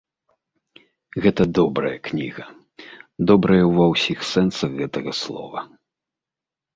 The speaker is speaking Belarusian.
Гэта добрая кніга, добрая ва ўсіх сэнсах гэтага слова.